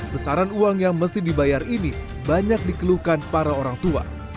besaran uang yang mesti dibayar ini banyak dikeluhkan para orang tua